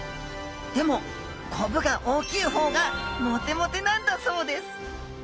でもコブが大きい方がモテモテなんだそうです